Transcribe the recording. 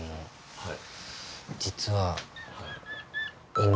はい。